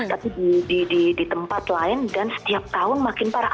tapi di tempat lain dan setiap tahun makin parah